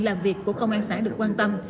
làm việc của công an xã được quan tâm